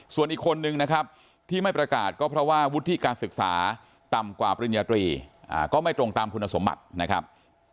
ส่วนอีกคนนึงนะครับที่ไม่ประกาศก็เพราะว่าวุฒิการศึกษาต่ำกว่าปริญญาตรีก็ไม่ตรงตามคุณสมบัตินะครับ